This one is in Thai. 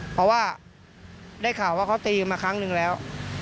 เพราะว่าได้ข่าวว่าเขาตีกันมาครั้งหนึ่งแล้ว